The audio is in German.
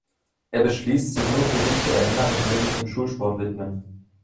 Er beschließt, sich nur für sie zu ändern und will sich dem Schulsport widmen.